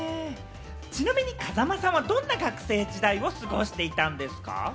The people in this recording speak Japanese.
ちなみに風間さんはどんな学生時代を過ごしていたんですか？